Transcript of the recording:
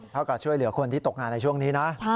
เท่ากับช่วยเหลือคนที่ตกงานในช่วงนี้นะ